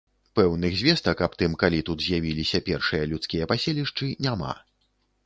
Пэўных звестак аб тым, калі тут з'явіліся першыя людскія паселішчы, няма.